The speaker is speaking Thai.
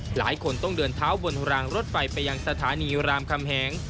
หลายคนต้องเดินเท้าบนรางรถไฟไปยังสถานีรามคำแหง